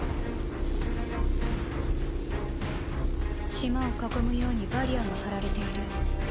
島を囲むようにバリアが張られている。